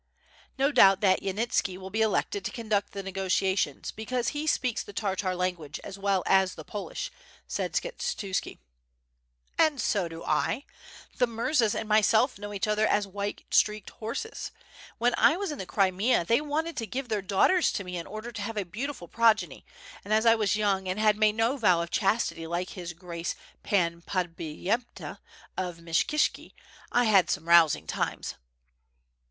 "No doubt that Yanitski will be eelected to conduct the negotiations, because he speaks the Tartar language as well as the Polish," said Skshetuski. "And so do I. The murzas and myself know each other as white streaked horses. When I was in the Crimea they wanted to give their daughters to me in order to have a beau tiful progeny, and as I was young and had made no vow of chastity, like his grace, Pan Podbipyenta of Myshykishki I had some rousing times."